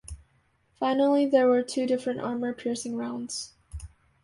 Finally, there were two different armor-piercing rounds.